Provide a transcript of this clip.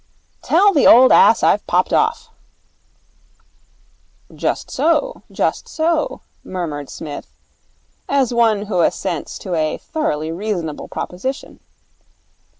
'Tell the old ass I've popped off.' 'Just so, just so,' murmured Psmith, as one who assents to a thoroughly reasonable proposition.